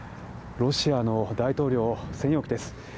ロシアの大統領専用機です。